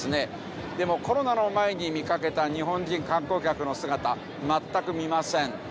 でもコロナの前に見かけた日本人観光客の姿全く見ません。